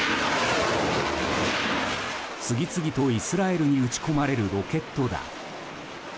次々とイスラエルに撃ち込まれるロケット弾。